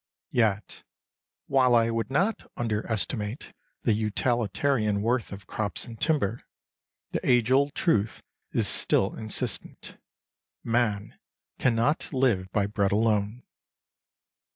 Yet, while I would not under estimate the utilitarian worth of crops and timber, the age old truth is still insistent: Man cannot live by bread alone.